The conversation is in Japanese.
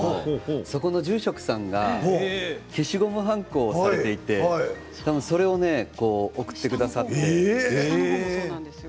住職さんが消しゴムはんこをされていてそれを送ってくださっているんですね。